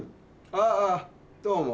ああどうも。